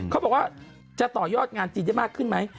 เขาบอกว่าจะต่อยอดงานจีนได้มากขึ้นไหม